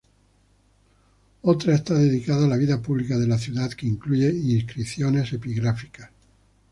Otra está dedicada a la vida pública de la ciudad que incluye inscripciones epigráficas.